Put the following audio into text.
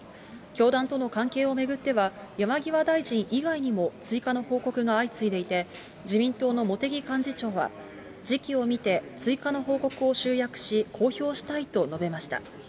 教団との関係を巡っては、山際大臣以外にも追加の報告が相次いでいて、自民党の茂木幹事長は、時期を見て、追加の報告を集約し公表したいと述べました。